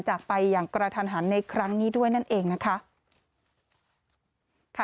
จากไปอย่างกระทันหันในครั้งนี้ด้วยนั่นเองนะคะ